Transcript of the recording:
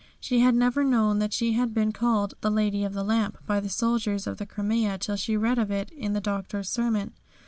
She had never known that she had been called 'The Lady of the Lamp' by the soldiers of the Crimea till she read of it in the Doctor's sermon.